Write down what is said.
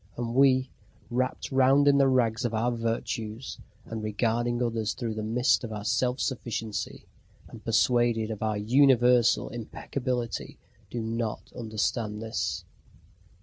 And we, wrapped round in the rags of our virtues, and regarding others through the mist of our self sufficiency, and persuaded of our universal impeccability, do not understand this.